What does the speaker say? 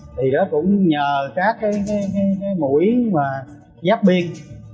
thì đó cũng nhờ các cái mũi mà giáp biên